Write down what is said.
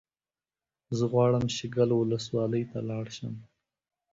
زه غواړم شیګل ولسوالۍ ته لاړ شم